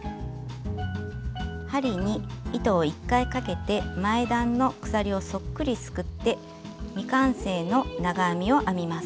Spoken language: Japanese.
針に糸を１回かけて前段の鎖をそっくりすくって未完成の長編みを編みます。